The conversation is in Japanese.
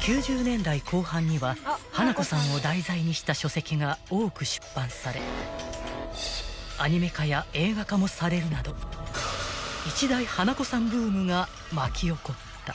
［９０年代後半には花子さんを題材にした書籍が多く出版されアニメ化や映画化もされるなど一大花子さんブームが巻き起こった］